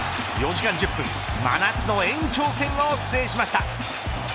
４時間１０分真夏の延長戦を制しました。